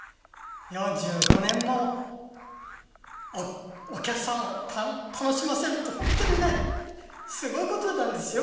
４５年もお客さんを楽しませるって、本当にね、すごいことなんですよ。